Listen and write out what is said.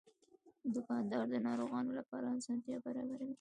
دوکاندار د ناروغانو لپاره اسانتیا برابروي.